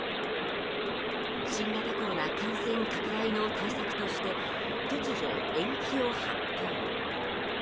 新型コロナ感染拡大の対策として突如、延期を発表。